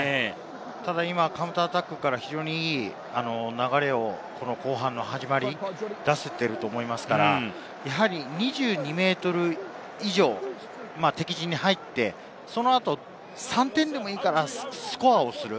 今、カウンターアタックから、いい流れを後半の始まりに出せていると思いますから、２２ｍ以上敵陣に入って、その後、３点でもいいからスコアをする。